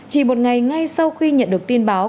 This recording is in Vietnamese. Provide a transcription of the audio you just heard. chỉ một ngày ngay sau khi nhận được tin báo